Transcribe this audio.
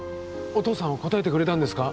お父さんは答えてくれたんですか？